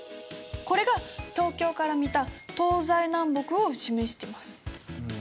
これが東京から見た東西南北を示してます。